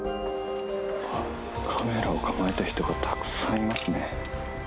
あっ、カメラを構えた人がたくさんいますね。